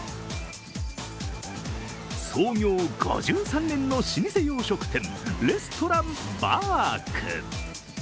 創業５３年の老舗洋食店、レストランばーく。